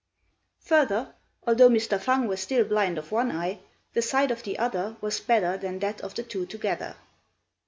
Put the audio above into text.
Further, although Mr. Fang was still blind of one eye, the sight of the other was better than that of the two together.